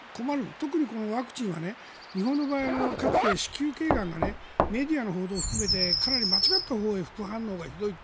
特にこのワクチンは日本の場合はかつて子宮頸がんのワクチンでメディアの報道を含めてかなり間違った方向に副反応がひどいと。